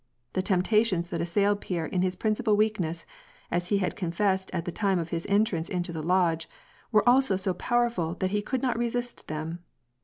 The temptations that assailed Pierre in his principal weak ness — as he had confessed at the time of his enti'ance into the Lodge — were also so powerful that he could not resist them.